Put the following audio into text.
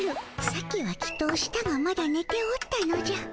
さっきはきっとしたがまだねておったのじゃ。